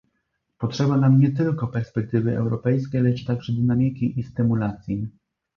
Potrzeba nam nie tylko perspektywy europejskiej, lecz także dynamiki i stymulacji